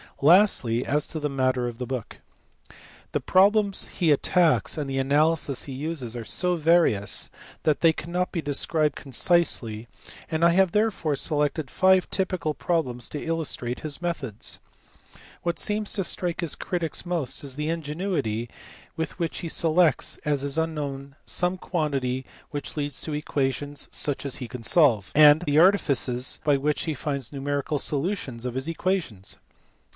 Lastly, as to the matter of the book. The problems he attacks and the analysis he uses are so various that they cannot be described concisely and I have therefore selected five typical problems to illustrate his methods. What seems to strike his critics most is the ingenuity with which he selects as his unknown some quantity which leads to equations such DIOPHANTUS. 109 as he can solve, and the artifices by which he finds numerical solutions of his equations.